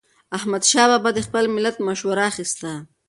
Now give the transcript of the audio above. احمدشاه بابا به د خپل ملت مشوره اخیسته.